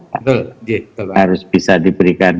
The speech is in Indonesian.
betul iya bapak harus bisa diberikan